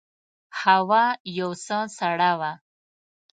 هوا یو څه سړه وه.